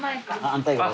反対側。